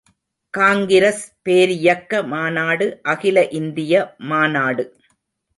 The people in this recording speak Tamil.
காங்கிரஸ் பேரியக்க மாநாடு அகில இந்திய மாநாடு.